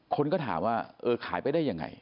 คนก็ถามว่าเออขายไปได้ยังไง